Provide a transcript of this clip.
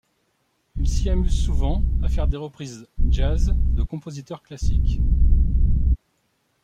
Il s'y amuse souvent à faire des reprises jazz de compositeurs classiques.